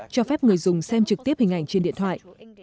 cho phép người dùng xem trực tiếp hình ảnh trên điện thoại